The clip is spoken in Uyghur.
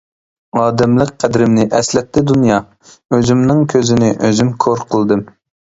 ئادەملىك قەدرىمنى ئەسلەتتى دۇنيا، ئۆزۈمنىڭ كۆزىنى ئۆزۈم كور قىلدىم.